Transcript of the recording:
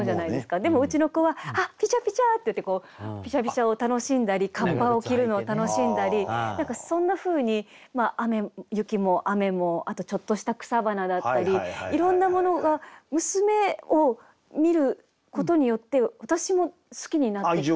でもうちの子は「ピチャピチャ！」っていってピシャピシャを楽しんだりカッパを着るのを楽しんだり何かそんなふうに雪も雨もあとちょっとした草花だったりいろんなものが娘を見ることによって私も好きになっていった。